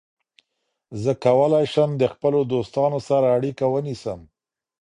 زه کولای شم د خپلو دوستانو سره اړیکه ونیسم.